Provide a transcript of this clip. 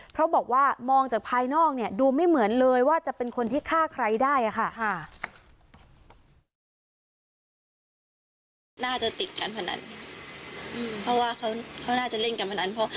เพราะบอกว่ามองจากภายนอกเนี่ยดูไม่เหมือนเลยว่าจะเป็นคนที่ฆ่าใครได้ค่ะ